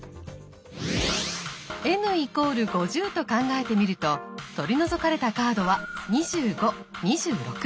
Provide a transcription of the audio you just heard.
ｎ＝５０と考えてみると取り除かれたカードは２５２６。